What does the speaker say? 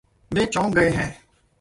वे चौंक गये है।